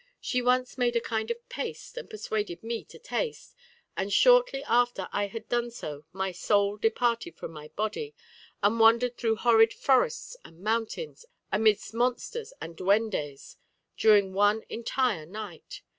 She once made a kind of paste, and persuaded me to taste, and shortly after I had done so my soul departed from my body, and wandered through horrid forests and mountains, amidst monsters and duendes, during one entire night.